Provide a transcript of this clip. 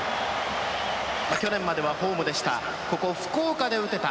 去年まではホームでした。